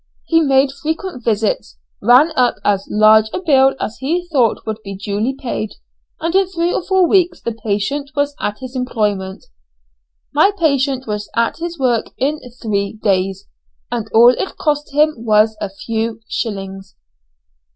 He made frequent visits, ran up as large a bill as he thought would be duly paid, and in three or four weeks the patient was at his employment. My patient was at his work in three days, and all it cost him was a few shillings!"